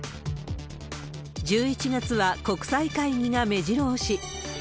１１月は国際会議がめじろ押し。